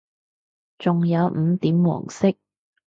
仲有五點黃色